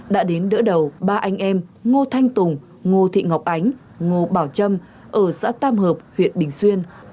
đã đến đỡ đầu ba anh em ngô thanh tùng ngô thị ngọc ánh ngô bảo trâm ở xã tam hợp huyện bình xuyên